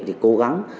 thì cố gắng